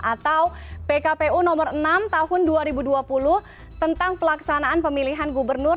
atau pkpu nomor enam tahun dua ribu dua puluh tentang pelaksanaan pemilihan gubernur